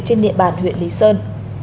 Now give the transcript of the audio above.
trên địa bàn huyện lý sơn